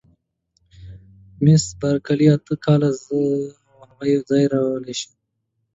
مس بارکلي: اته کاله، زه او هغه یوځای را لوي شوي وو.